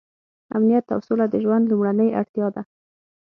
امنیت او سوله د ژوند لومړنۍ اړتیا ده.